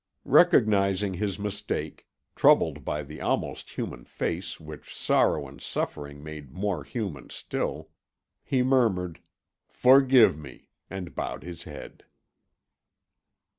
Recognising his mistake, troubled by the almost human face which sorrow and suffering made more human still, he murmured "Forgive me" and bowed his head.